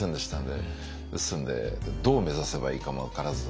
ですんでどう目指せばいいかも分からず。